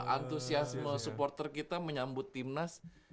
antusiasme supporter kita menyambut timnas